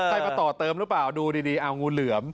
ใครประต่อเติมหรือเปล่าดูดีงูเหล๑๙๕๕